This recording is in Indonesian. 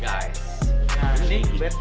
nih lebih baik